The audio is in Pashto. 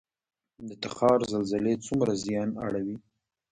د تخار زلزلې څومره زیان اړوي؟